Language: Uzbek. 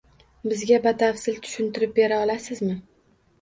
Bizga batafsil tushuntirib bera olasizmi.